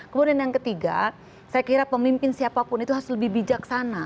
kemudian yang ketiga saya kira pemimpin siapapun itu harus lebih bijaksana